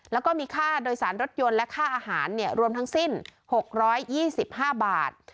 แล้วก็มีค่าโดยสารรถยนต์และค่าอาหารรวมทั้งสิ้น๖๒๕บาท